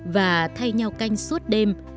và thay nhau canh suốt đêm